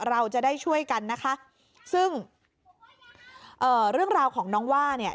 เราจะได้ช่วยกันนะคะซึ่งเอ่อเรื่องราวของน้องว่าเนี่ย